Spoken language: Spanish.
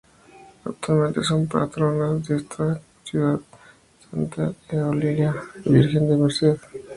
Actualmente son patronas de esta ciudad Santa Eulalia y la Virgen de la Merced.